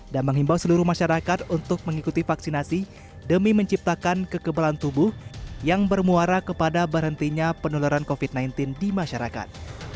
dan mengimbau seluruh masyarakat untuk mengikuti vaksinasi demi menciptakan kekebalan tubuh yang bermuara kepada berhentinya penularan covid sembilan belas di masyarakat